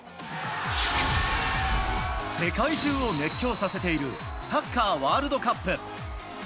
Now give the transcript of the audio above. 世界中を熱狂させているサッカーワールドカップ。